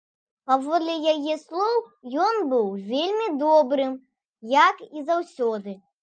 Паводле яе слоў, ён быў вельмі добрым, як і заўсёды.